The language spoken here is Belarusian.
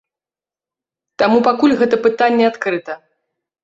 Таму пакуль гэта пытанне адкрыта.